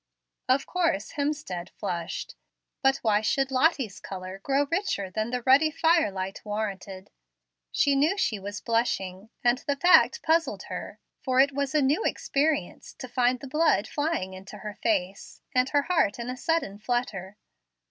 Of course Hemstead flushed. But why should Lottie's color grow richer than the ruddy fire light warranted? She knew she was blushing, and the fact puzzled her, for it was a new experience to find the blood flying into her face, and her heart in a sudden flutter.